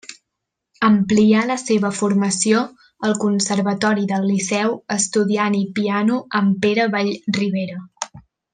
Amplià la seva formació al Conservatori del Liceu estudiant-hi piano amb Pere Vallribera.